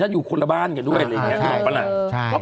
พี่โมดรู้สึกไหมพี่โมดรู้สึกไหมพี่โมดรู้สึกไหมพี่โมดรู้สึกไหม